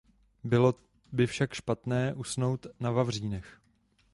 Bylo by však špatné usnout na vavřínech.